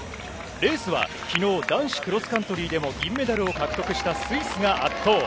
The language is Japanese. レースはきのう男子クロスカントリーでも銀メダルを獲得したスイスが圧倒。